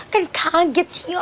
kan kaget sih yuk